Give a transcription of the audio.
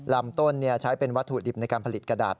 ลำต้นใช้เป็นวัตถุดิบในการผลิตกระดาษ